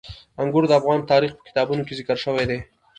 انګور د افغان تاریخ په کتابونو کې ذکر شوی دي.